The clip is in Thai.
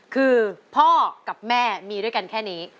คือพ่อกับแม่มีด้วยกันแค่นี้